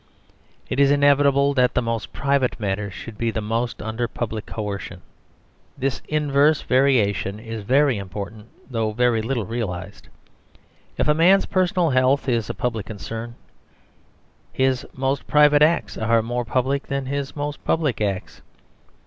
It is inevitable that the most private matters should be most under public coercion. This inverse variation is very important, though very little realised. If a man's personal health is a public concern, his most private acts are more public than his most public acts.